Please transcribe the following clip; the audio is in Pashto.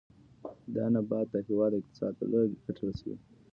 دا نبات د هېواد اقتصاد ته لویه ګټه رسوي.